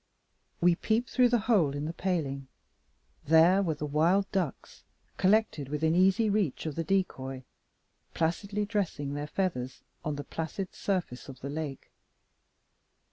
We peeped through the hole in the paling. There were the wild ducks collected within easy reach of the decoy placidly dressing their feathers on the placid surface of the lake.